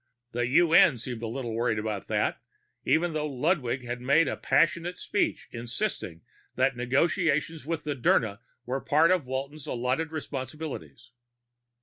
The UN seemed a little worried about that, even though Ludwig had made a passionate speech insisting that negotiations with Dirna were part of Walton's allotted responsibilities.